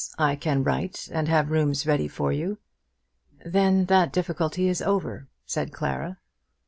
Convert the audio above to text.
I can write and have rooms ready for you." "Then that difficulty is over," said Clara.